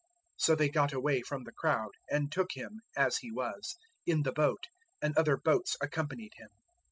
004:036 So they got away from the crowd, and took Him as He was in the boat; and other boats accompanied Him.